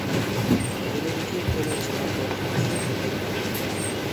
ھويلىدىكى قېرى چىلان دەرىخى شۇ پېتى تۇرۇپتۇ.